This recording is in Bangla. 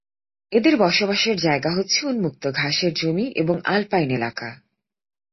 এদের বসবাসের জায়গা হচ্ছে উন্মুক্ত ঘাসের জমি এবং আলপাইন এলাকা।